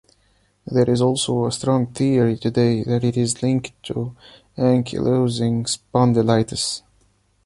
There is also a strong theory today that it is linked to ankylosing spondylitis.